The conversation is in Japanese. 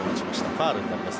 ファウルになります。